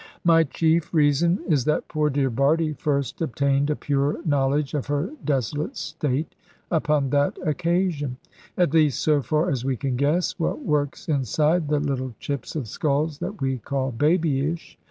My chief reason is that poor dear Bardie first obtained a pure knowledge of her desolate state upon that occasion; at least so far as we can guess what works inside the little chips of skulls that we call babyish.